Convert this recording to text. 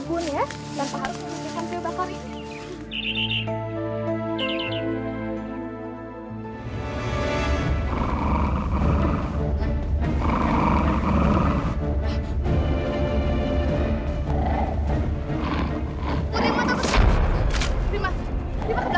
biar ibu yang menghadapi serigalanya